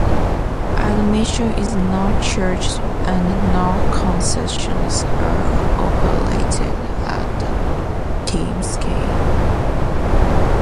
Admission is not charged and no concessions are operated at the teams' games.